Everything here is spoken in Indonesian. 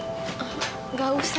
enggak usah sat